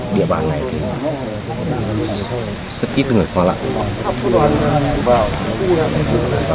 địa bản này thì rất ít người khoa lặng